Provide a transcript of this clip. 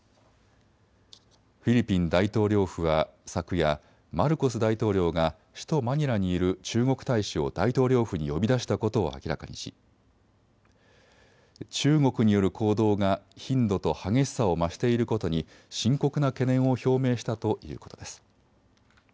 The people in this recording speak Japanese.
フィリピン大統領府は昨夜、マルコス大統領が首都マニラにいる中国大使を大統領府に呼び出したことを明らかにし中国による行動が頻度と激しさを増していることに深刻な懸念を表明したということです。